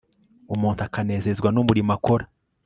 umuntu akanezezwa n'umurimo akora